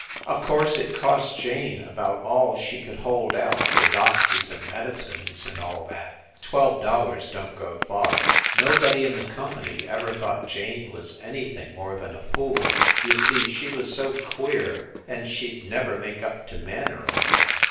O course it cost Jane about all she could hold out for doctors and medi cines and all that. Twelve dollars don t go far. Nobody in the company ever thought Jane was anything more than a fool. You see, she was so queer, and she d never make up to men or anything.